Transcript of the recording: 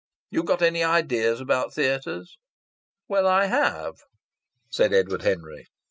... You got any ideas about theatres?" "Well, I have," said Edward Henry. Mr.